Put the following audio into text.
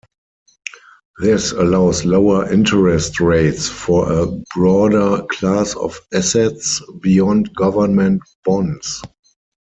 This allows lower interest rates for a broader class of assets beyond government bonds.